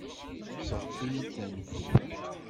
Sɣet-iyi-d tanfult.